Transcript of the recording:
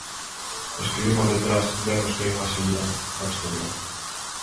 Os que vimos detrás vemos que hai unha saída ao exterior.